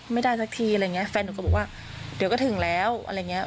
ไม่ได้สักทีอะไรอย่างเงี้แฟนหนูก็บอกว่าเดี๋ยวก็ถึงแล้วอะไรอย่างเงี้ย